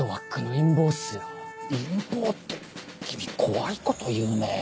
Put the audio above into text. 陰謀って君怖いこと言うねぇ。